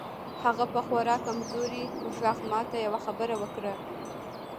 هغه په خورا کمزوري غږ ماته یوه خبره وکړه